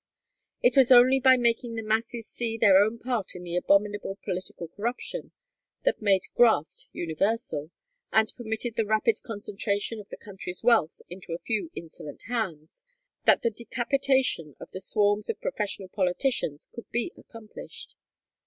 It was only by making the masses see their own part in the abominable political corruption that made "graft" universal, and permitted the rapid concentration of the country's wealth into a few insolent hands, that the decapitation of the swarms of professional politicians could be accomplished.